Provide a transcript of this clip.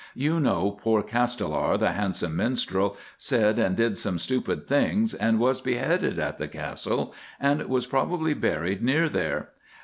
You know poor Castelar, the handsome minstrel, said and did some stupid things, and was beheaded at the Castle, and was probably buried near there.